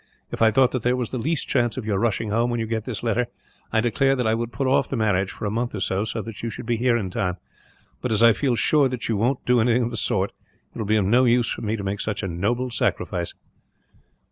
If I thought that there was the least chance of your rushing home, when you get this letter, I declare that I would put off the marriage for a month or so, so that you should be here in time; but as I feel sure that you won't do anything of the sort, it will be of no use for me to make such a noble sacrifice."